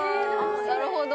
なるほど。